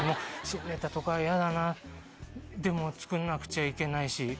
新ネタとか嫌だなでも作んなくちゃいけないし。